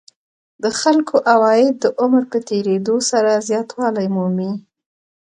د خلکو عواید د عمر په تېرېدو سره زیاتوالی مومي